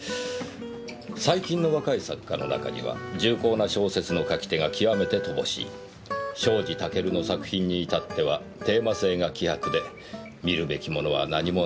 「最近の若い作家の中には重厚な小説の書き手が極めて乏しい」「庄司タケルの作品に至ってはテーマ性が希薄で見るべきものは何もない」